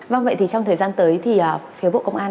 vâng vậy thì trong thời gian tới thì phía bộ công an